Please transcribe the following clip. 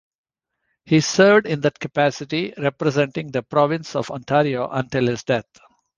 He served in that capacity, representing the province of Ontario until his death.